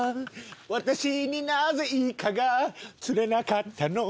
「私になぜイカが釣れなかったの？」